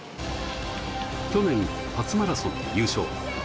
去年、初マラソンで優勝。